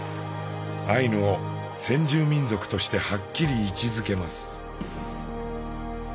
アイヌを先住民族としてはっきり位置づけます。